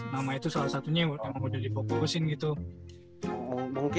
nama itu salah satunya yang udah difokusin gitu